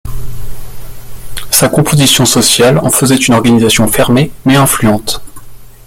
Sa composition sociale en faisait une organisation fermée mais influente.